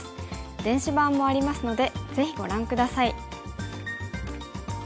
電子版もありますのでぜひご覧下さい。